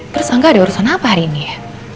terus angga ada urusan apa hari ini ya